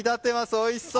おいしそう！